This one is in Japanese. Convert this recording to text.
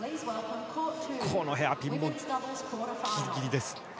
このヘアピンもギリギリです。